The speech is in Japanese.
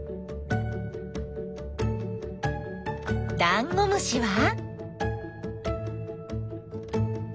ダンゴムシは？